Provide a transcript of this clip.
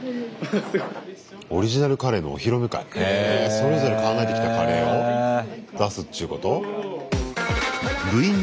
それぞれ考えてきたカレーを出すっちゅうこと？